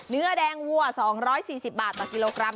เนื้อแดงวัว๒๔๐บาทต่อกิโลกรัม